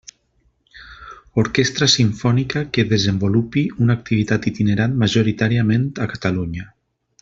Orquestra simfònica que desenvolupi una activitat itinerant majoritàriament a Catalunya.